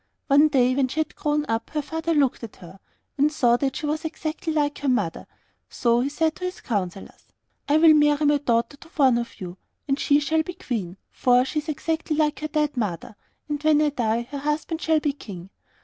One day when she had grown up, her father looked at her, and saw that she was exactly like her mother, so he said to his councillors, 'I will marry my daughter to one of you, and she shall be queen, for she is exactly like her dead mother, and when I die her husband shall be king.